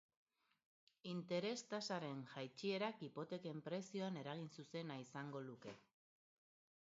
Interes tasaren jaitsierak hipoteken prezioan eragin zuzena izango luke.